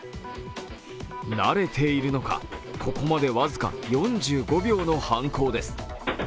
慣れているのか、ここまで僅か４５秒の犯行です。